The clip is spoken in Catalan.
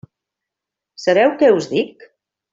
Sabeu què us dic?